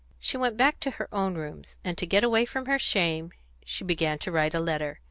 She went back to her own rooms; and to get away from her shame, she began to write a letter.